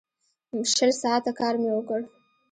شل ساعته کار مې وکړ.